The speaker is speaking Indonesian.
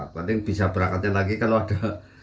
paling bisa berangkatnya lagi kalau ada